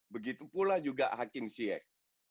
begitu pula juga hakim siyek